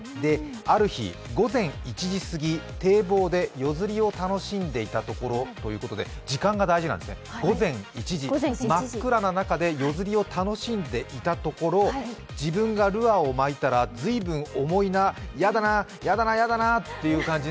ある日、午前１時すぎ堤防で夜釣りを楽しんでいたところということで、時間が大事なんですね、午前１時、真っ暗な中で夜釣りを楽しんでいたところ、自分がルアーを巻いたら、随分重いな、嫌だな、嫌だな、嫌だなという感じ。